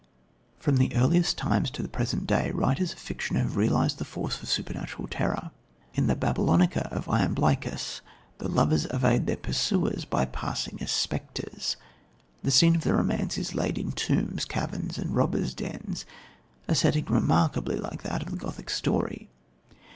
From the earliest times to the present day, writers of fiction have realised the force of supernatural terror. In the Babylonica of Iamblichus, the lovers evade their pursuers by passing as spectres; the scene of the romance is laid in tombs, caverns, and robbers' dens, a setting remarkably like that of Gothic story.